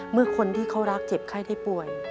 เมื่อคนที่เขารักเจ็บไข้ได้ป่วย